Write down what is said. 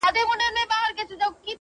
و تاسو ته يې سپين مخ لارښوونکی! د ژوند!